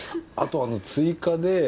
あとあの追加で。